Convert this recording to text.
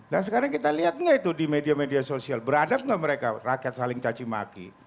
dan sekarang kita lihat gak itu di media media sosial beradab gak mereka rakyat saling caci maki